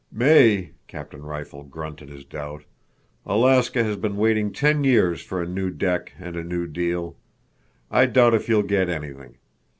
"May!" Captain Rifle grunted his doubt. "Alaska has been waiting ten years for a new deck and a new deal. I doubt if you'll get anything.